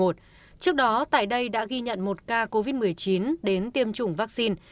trước đó tại đây đã ghi nhận một ca covid một mươi chín đến tiêm chủng vaccine